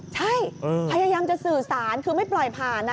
ใช่พยายามจะสื่อสารคือไม่ปล่อยผ่านนะ